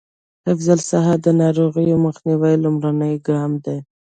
حفظ الصحه د ناروغیو مخنیوي لومړنی ګام دی.